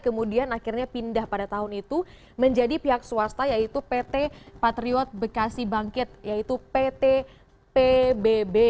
kemudian akhirnya pindah pada tahun itu menjadi pihak swasta yaitu pt patriot bekasi bangkit yaitu pt pbb